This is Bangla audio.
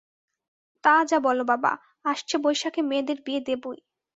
তা যা বল বাবা, আসছে, বৈশাখে মেয়েদের বিয়ে দেবই!